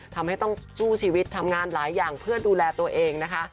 ทำให้ต้องสู้ชีวิตทำงานหลายอย่างเพื่อดูแลตัวเองนะคะ